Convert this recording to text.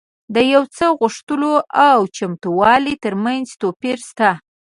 د يو څه د غوښتلو او چمتووالي ترمنځ توپير شته.